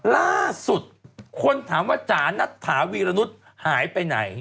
ล่าสุดคนถามว่าจ๋านัทถาวีรนุษย์หายไปไหน